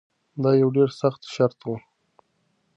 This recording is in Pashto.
دا یو ډیر سخت شرط و.